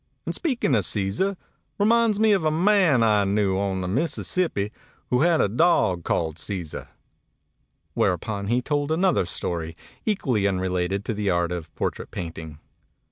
And speaking of Caesar reminds me of a man I knew on the Mississippi who had a dog called Caesar," whereupon he told another story, equally unrelated to the art of portrait painting.